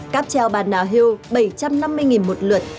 cắp treo bà nào hiêu bảy trăm năm mươi một lượt